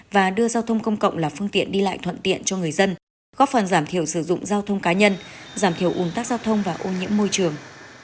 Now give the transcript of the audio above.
và đưa giao thông công cộng là phương tiện đi lại thuận tiện cho người dân góp phần giảm thiểu sử dụng giao thông cá nhân giảm thiểu ủng tác giao thông và ô nhiễm môi trường